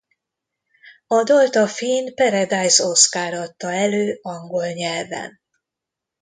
A dalt a finn Paradise Oskar adta elő angol nyelven.